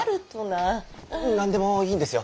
何でもいいんですよ。